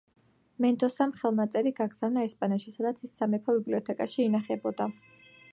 მენდოსამ ხელნაწერი გაგზავნა ესპანეთში, სადაც ის სამეფო ბიბლიოთეკაში ინახებოდა.